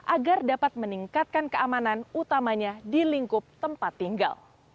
agar dapat meningkatkan keamanan utamanya di lingkup tempat tinggal